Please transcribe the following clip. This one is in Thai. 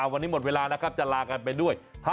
วันนี้หมดเวลานะครับจะลากันไปด้วย